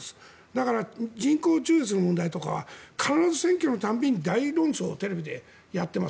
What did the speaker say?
だから、人工中絶の問題とかは必ず選挙の度に大論争をテレビでやっています。